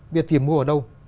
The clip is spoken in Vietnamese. biết tìm mua ở đâu